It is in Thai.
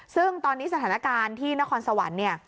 ซึ่งตอนนี้สถานการณ์ที่นครสวรรค์เนี่ย